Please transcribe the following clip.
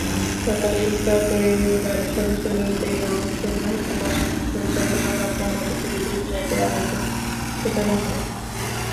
সকালে স্কয়ার পরিবারের সদস্যদের অংশগ্রহণে বর্ণাঢ্য শোভাযাত্রার মধ্য দিয়ে দিনব্যাপী আয়োজনের সূচনা হয়।